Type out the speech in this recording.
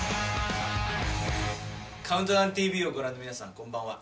「ＣＤＴＶ」をご覧の皆さん、こんばんは。